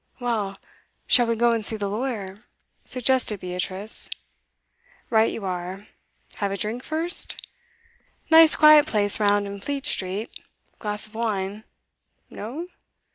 'Well, shall we go and see the lawyer?' suggested Beatrice. 'Right you are. Have a drink first? Nice quiet place round in Fleet Street glass of wine. No?